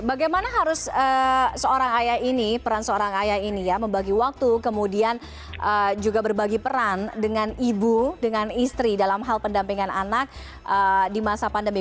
bagaimana harus seorang ayah ini peran seorang ayah ini ya membagi waktu kemudian juga berbagi peran dengan ibu dengan istri dalam hal pendampingan anak di masa pandemi